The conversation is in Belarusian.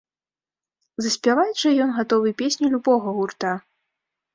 Заспяваць жа ён гатовы песню любога гурта.